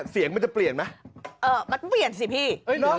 เสียงมันจะเปลี่ยนไหมเออมันเปลี่ยนสิพี่